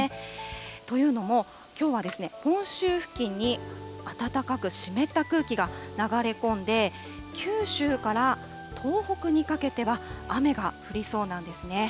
というのも、きょうは本州付近に暖かく湿った空気が流れ込んで、九州から東北にかけては、雨が降りそうなんですね。